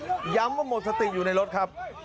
ย้ำว่าหมดสติอยู่ในรถครับ